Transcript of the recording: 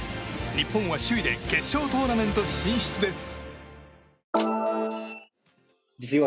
日本は首位で決勝トーナメント進出です。